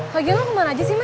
lagian lo kemana aja sih man